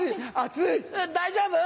大丈夫？